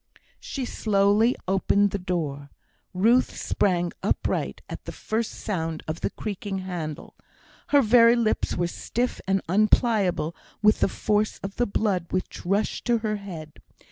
She slowly opened the door. Ruth sprang upright at the first sound of the creaking handle. Her very lips were stiff and unpliable with the force of the blood which rushed to her head.